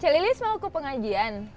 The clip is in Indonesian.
cek lili semua ke pengajian